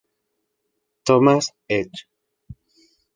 Thomas Hedges.